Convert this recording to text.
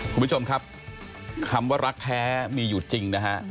คุณผู้ชมครับคำว่ารักแท้มีอยู่จริงนะฮะ